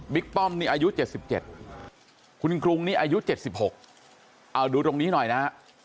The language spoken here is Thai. ป้อมนี่อายุ๗๗คุณกรุงนี่อายุ๗๖เอาดูตรงนี้หน่อยนะฮะ